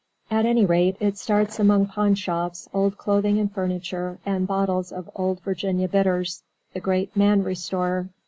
At any rate, it starts among pawnshops, old clothing and furniture, and bottles of Old Virginia Bitters, the Great Man Restorer.